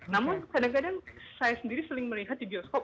namun kadang kadang saya sendiri sering melihat di bioskop